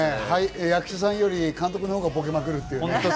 役者さんより監督のほうがボケまくるっていうね。